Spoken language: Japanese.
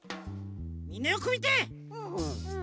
みんなよくみて！